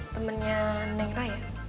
temennya neng raya